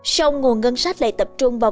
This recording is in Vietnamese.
song nguồn ngân sách lại tập trung vào